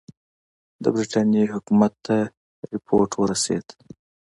د برټانیې حکومت ته رپوټ ورسېد.